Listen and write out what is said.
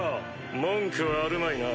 文句はあるまいな？